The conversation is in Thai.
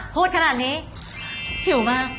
พูดขนาดนี้หิวมาก